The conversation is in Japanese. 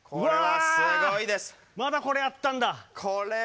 まだこれあったんだ。